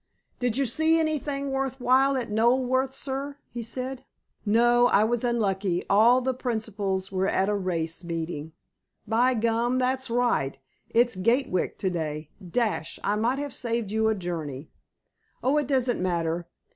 "Did you see anything worth while at Knoleworth, sir?" he said. "No. I was unlucky. All the principals were at a race meeting." "By gum! That's right. It's Gatwick today. Dash! I might have saved you a journey." "Oh, it doesn't matter.